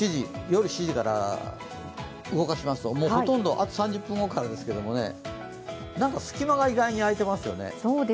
夜７時から動かしますとほとんど、あと３０分後からですが、隙間が空いてますよね。